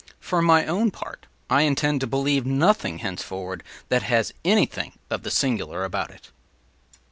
For my own part, I intend to believe nothing henceforward that has anything of the ‘singular’ about it.